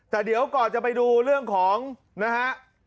แต่เดี๋ยวก่อนจะไปดูเรื่องของนะฮะ